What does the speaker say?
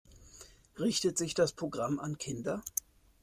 Richtet sich das Programm an Kinder?